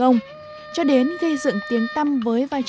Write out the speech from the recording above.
nó đâu vậy